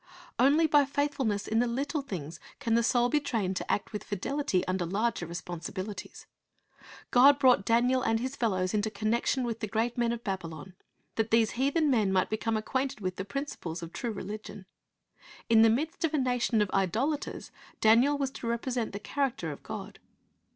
Only by faithfulness in the little things can the soul be trained to act with fidelity under larger responsibilities. God brought Daniel and his fellows into connection with the great men of Babylon, that these heathen men might become acquainted with the principles of true religion. In the midst of a nation of idolaters, Daniel was to represent the character of God.